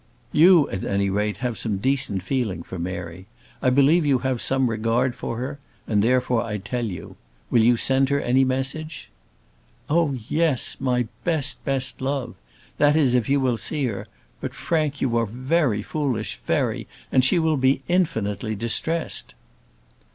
"You, at any rate, have some decent feeling for Mary. I believe you have some regard for her; and therefore I tell you. Will you send her any message?" "Oh, yes; my best, best love; that is if you will see her; but, Frank, you are very foolish, very; and she will be infinitely distressed."